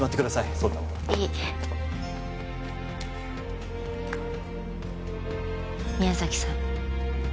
そんなものいい宮崎さん